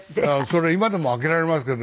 それ今でも開けられますけどね